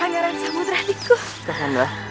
pangeran samudra diku